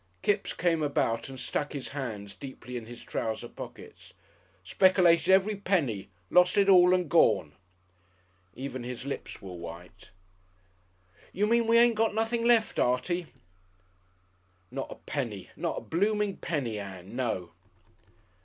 Kipps came about and stuck his hands deeply in his trouser pockets. "Speckylated every penny lorst it all and gorn." Even his lips were white. "You mean we ain't got nothin' left, Artie?" "Not a penny! Not a bloomin' penny, Ann. No!"